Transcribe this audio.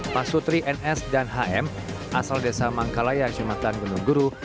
pasutri ns dan hm asal desa mangkalaya kecamatan gunung guru